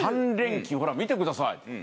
３連休ほら見てください。